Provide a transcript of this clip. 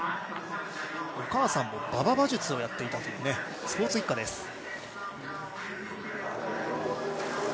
お母さんも馬場馬術をやっていたスポーツ一家です。